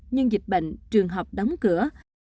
nhưng dịch bệnh trường học đóng cửa